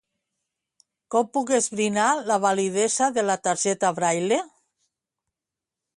Com puc esbrinar la validesa de la targeta Braile?